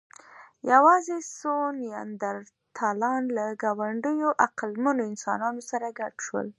یواځې څو نیاندرتالان له ګاونډيو عقلمنو انسانانو سره ګډ شول.